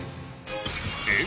えっ！